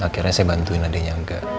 akhirnya saya bantuin adiknya